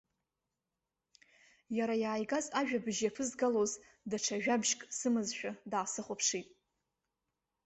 Иара иааигаз ажәабжь иаԥызгалоз даҽа ажәабжьк сымазшәа даасыхәаԥшит.